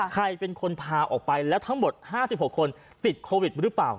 ใครเป็นคนพาออกไปแล้วทั้งหมด๕๖คนติดโควิดหรือเปล่า